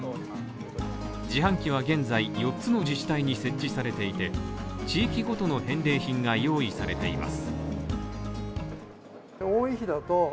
自販機は現在、四つの自治体に設置されていて、地域ごとの返礼品が用意されています。